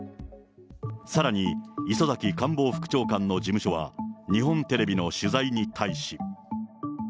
さらに磯崎官房副長官の事務所は、日本テレビの取材に対し。